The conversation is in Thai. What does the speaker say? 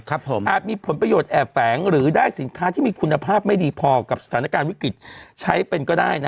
อาจมีผลประโยชน์แอบแฝงหรือได้สินค้าที่มีคุณภาพไม่ดีพอกับสถานการณ์วิกฤตใช้เป็นก็ได้นะ